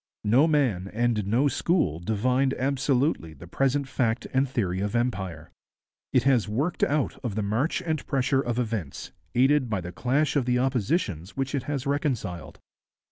No man and no school divined absolutely the present fact and theory of empire. It has worked out of the march and pressure of events, aided by the clash of the oppositions which it has reconciled.